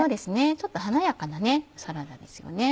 ちょっと華やかなサラダですよね。